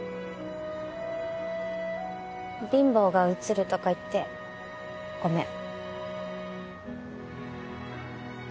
貧乏がうつるとか言ってごめん。